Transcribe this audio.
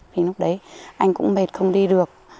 thì lúc đấy anh cũng mệt không đi được